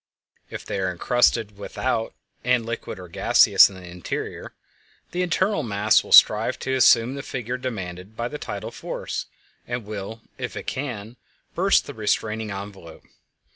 If they are encrusted without and liquid or gaseous in the interior, the internal mass will strive to assume the figure demanded by the tidal force, and will, if it can, burst the restraining envelope.